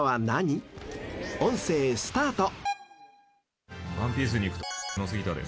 ［音声スタート］